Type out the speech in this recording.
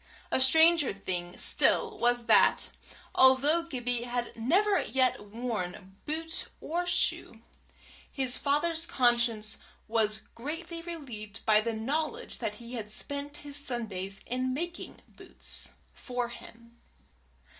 A stranger thing still was, that, although Gibbie had never yet worn boot or shoe, his father's conscience was greatly relieved by the knowledge that he spent his Sundays in making boots for him.